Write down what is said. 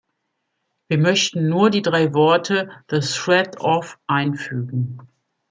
Wir möchten nur die drei Worte "the threat of" einfügen.